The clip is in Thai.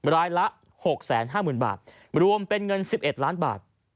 รายละ๖๕๐๐๐บาทรวมเป็นเงิน๑๑ล้านบาท